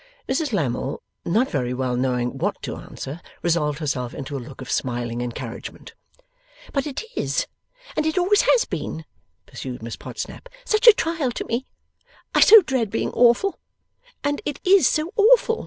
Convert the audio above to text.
Mrs Lammle, not very well knowing what to answer, resolved herself into a look of smiling encouragement. 'But it is, and it always has been,' pursued Miss Podsnap, 'such a trial to me! I so dread being awful. And it is so awful!